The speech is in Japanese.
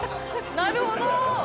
なるほど。